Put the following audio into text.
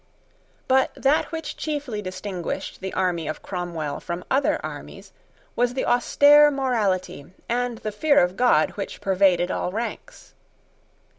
But that which chiefly distinguished the army of Cromwell from other armies was the austere morality and the fear of God which pervaded all ranks.